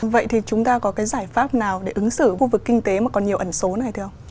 vậy thì chúng ta có cái giải pháp nào để ứng xử khu vực kinh tế mà còn nhiều ẩn số này thưa ông